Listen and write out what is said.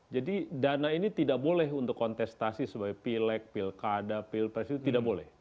jadi dana ini tidak boleh untuk kontestasi sebagai pilek pilkada pilpres itu tidak boleh